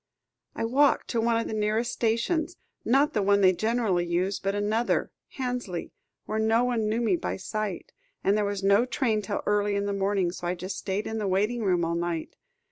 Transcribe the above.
"I walked to one of the nearest stations; not the one they generally use, but another Hansley where no one knew me by sight, and there was no train till early in the morning. So I just stayed in the waiting room all night.